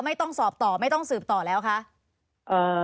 ไม่ต้องสอบต่อไม่ต้องสืบต่อแล้วคะ